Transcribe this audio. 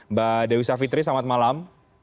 mbak dewisa fitri selamat malam